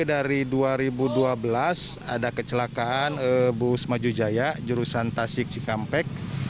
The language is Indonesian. dari dua ribu dua belas ada kecelakaan bus maju jaya jurusan tasik cikampek